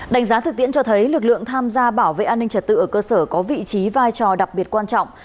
đánh giá thực tiễn cho thấy lực lượng tham gia bảo vệ an ninh trật tự ở cơ sở có vị trí vai trò đặc biệt quan trọng